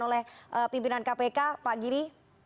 oleh pimpinan kpk pak giri